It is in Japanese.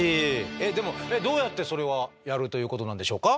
えっでもどうやってそれはやるということなんでしょうか？